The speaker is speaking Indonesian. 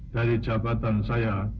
dari jabatan saya